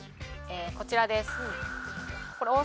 こちらです。